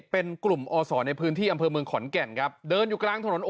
เป็นกลุ่มอศในพื้นที่อำเภอเมืองขอนแก่นครับเดินอยู่กลางถนน